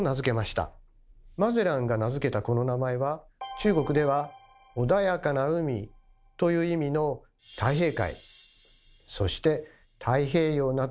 マゼランが名付けたこの名前は中国では「穏やかな海」という意味の「太平海」そして「太平洋」などと訳されました。